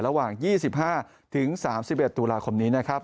ระหว่าง๒๕๓๑ตุลาคมนี้นะครับ